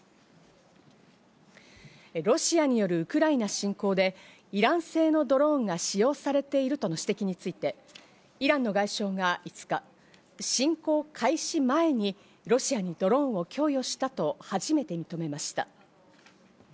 ロシアによるウクライナ侵攻でイラン製のドローンが使用されているとの指摘について、イランの外相が５日、侵攻開始前にロシアにドローンを供与したと初めて認めました。